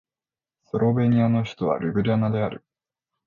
スロベニアの首都はリュブリャナである